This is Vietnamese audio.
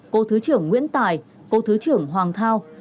cô thứ trưởng nguyễn tài cô thứ trưởng hoàng thao